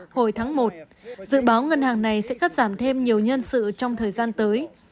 hồi tháng một dự báo ngân hàng này sẽ cắt giảm thêm nhiều nhân sự trong thời gian tới